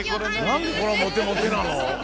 何でこんなモテモテなの？